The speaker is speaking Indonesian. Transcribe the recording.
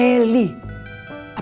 kenal juga belum pak